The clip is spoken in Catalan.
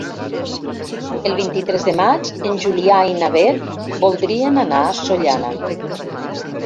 El vint-i-tres de maig en Julià i na Beth voldrien anar a Sollana.